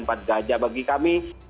empat gajah bagi kami